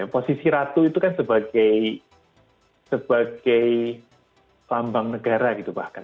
posisi ratu itu kan sebagai lambang negara gitu bahkan